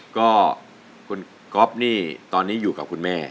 ก็คุณก๊อฟนี่ตอนนี้อยู่กับคุณแม่